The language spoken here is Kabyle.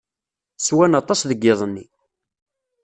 Swan aṭas deg yiḍ-nni.